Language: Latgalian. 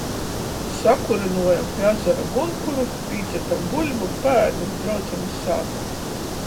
Sakurynuojom pi azara gunkuru, pīcepem buļbu, paēdem i braucem iz sātu.